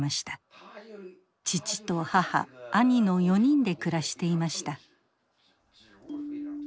父と母兄の４人で暮らしていました。